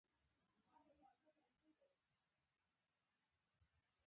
بوتل د بېلابېلو اندازو، رنګونو او موادو له مخې وېشل کېږي.